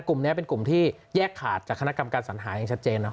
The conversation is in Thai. กลุ่มนี้เป็นกลุ่มที่แยกขาดจากคณะกรรมการสัญหาอย่างชัดเจนเนอ